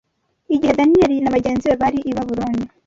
Igihe Daniyeli na bagenzi bari i Babuloni